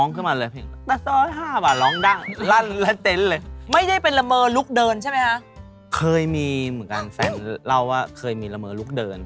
เคยมีเหมือนกันแฟนเล่าว่าเคยมีละเมอลุกเดิน